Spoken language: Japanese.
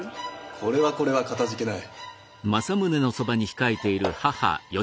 これはこれはかたじけない。